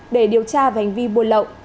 để điều tra về hành vi buôn lậu